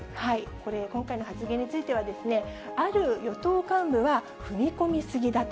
これ、今回の発言については、ある与党幹部は、踏み込み過ぎだと。